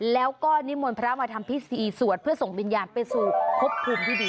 แล้วก็นิมวลพระมาธรรมที่๔สวดเพื่อส่งวิญญาณไปสู่พบขุมดี